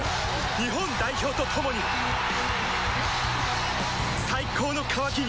日本代表と共に最高の渇きにＤＲＹ